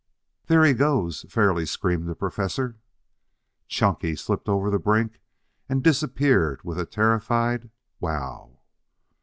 "There he goes!" fairly screamed the Professor. Chunky slipped over the brink and disappeared with a terrified "Wow!"